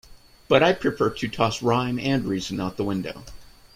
But I prefer to toss rhyme and reason out the window.